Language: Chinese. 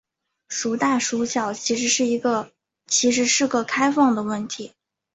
孰大孰小其实是个开放问题。